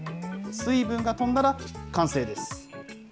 水分が飛んだら完成です。